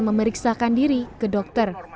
berisahkan diri ke dokter